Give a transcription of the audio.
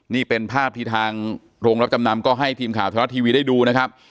นี่เป็นภาพที่ทางโรงรับจำนำก็ให้ทีมข่าวไทยรัฐทีวีได้ดูนะครับ